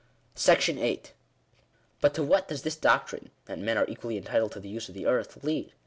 §8. "But to what does this doctrine, that men are equally en titled to the use of the earth, lead